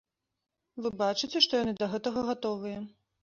Вы бачыце, што яны да гэтага гатовыя.